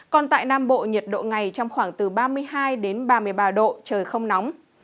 còn tại nam bộ nhiệt độ ngày trong khoảng từ ba mươi hai đến ba mươi ba độ trời không nóng